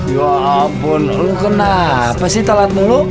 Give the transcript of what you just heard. ya ampun lu kenapa sih telat mulu